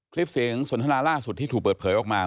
คลิปเสียงสนทนาล่าสุดที่ถูกเปิดเผยออกมา